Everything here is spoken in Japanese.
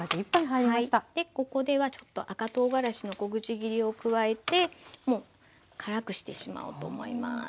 でここではちょっと赤とうがらしの小口切りを加えてもう辛くしてしまおうと思います。